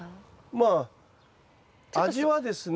まあ味はですね。